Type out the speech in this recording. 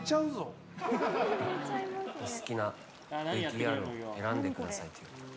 お好きなＶＴＲを選んでください。